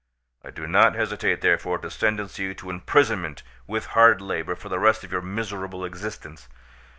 "I do not hesitate therefore to sentence you to imprisonment, with hard labour, for the rest of your miserable existence.